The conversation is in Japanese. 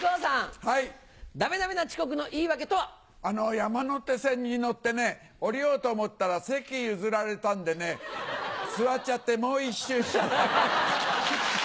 山手線に乗って降りようと思ったら席譲られたんでね座っちゃってもう１周しちゃったの。